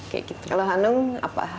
kalau hanung apa